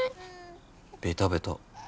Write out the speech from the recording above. ベタベタ。